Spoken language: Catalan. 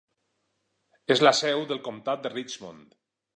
És la seu del comtat de Richmond.